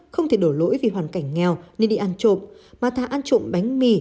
không thể đổ lỗi vì hoàn cảnh nghèo nên đi ăn trộm mà thả ăn trộm bánh mì